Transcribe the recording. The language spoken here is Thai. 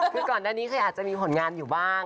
คือก่อนหน้านี้เคยอาจจะมีผลงานอยู่บ้าง